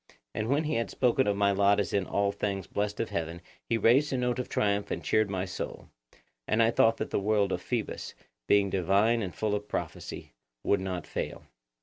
And when he had spoken of my lot as in all things blessed of heaven he raised a note of triumph and cheered my soul. And I thought that the word of Phoebus, being divine and full of prophecy, would not fail.